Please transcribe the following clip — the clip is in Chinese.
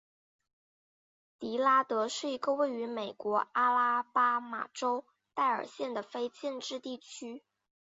迪拉德是一个位于美国阿拉巴马州戴尔县的非建制地区。